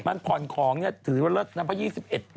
มันผ่อนของเนี่ยถือว่าเริ่มรถนับไป๒๑งวด